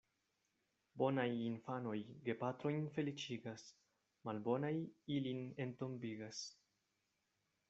Bonaj infanoj gepatrojn feliĉigas, malbonaj ilin entombigas.